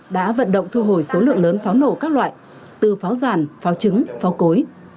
đã vận động thu hồi số lượng lớn pháo nổ các loại từ pháo ràn pháo trứng pháo cối